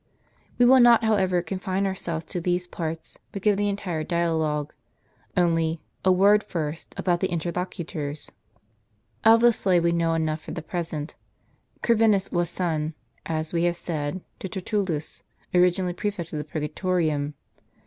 We will not, however, confine ourselves to these parts, but give the entire dialogue. Only, a word first about the interlocutors. Of the slave we know enough for the present. Corvinus was son, as we have said, to Tertullus, originally prefect of the Prgetorium.